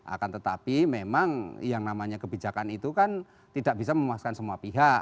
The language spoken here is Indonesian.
akan tetapi memang yang namanya kebijakan itu kan tidak bisa memuaskan semua pihak